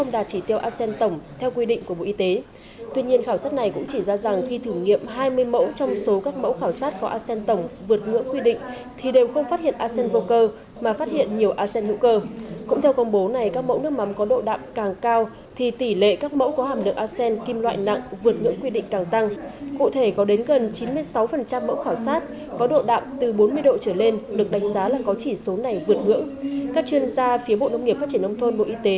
đặc biệt sáu mươi bảy mẫu không đạt chỉ tiêu asean tổng theo quy định của bộ y tế